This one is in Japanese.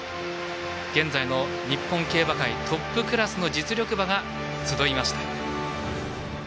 現在の日本競馬界トップクラスの実力馬が集いました。